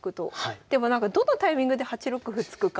でもなんかどのタイミングで８六歩突くか難しいですね。